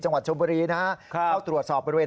ชมบุรีนะฮะเข้าตรวจสอบบริเวณ